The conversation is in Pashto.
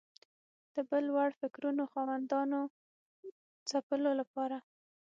د بل وړ فکرونو خاوندانو ځپلو لپاره